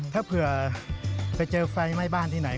ถ้าเผื่อไปเจอไฟไหม้บ้านที่ไหน